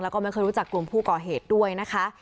แล้วก็ไม่เคยรู้จักกลุ่มผู้ก่อเหตุด้วยนะคะ